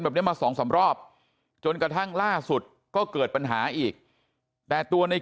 แบบนี้มาสองสามรอบจนกระทั่งล่าสุดก็เกิดปัญหาอีกแต่ตัวใน